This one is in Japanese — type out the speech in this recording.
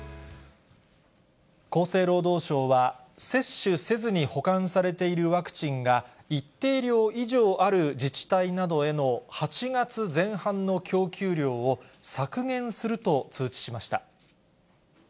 厚生労働省は、接種せずに保管されているワクチンが、一定量以上ある自治体などへの８月前半の供給量を、削減すると通知しました。